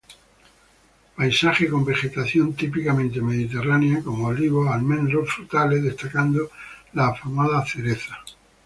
Paisaje con vegetación típicamente mediterránea como olivos, almendros, frutales, destacando la afamada cereza.